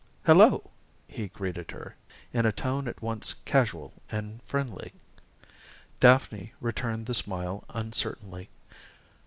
"Hello!" he greeted her, in a tone at once casual and friendly. Daphne returned the smile uncertainly.